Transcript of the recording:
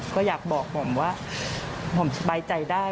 ก็อยากบอกหม่อมว่าหม่อมสบายใจได้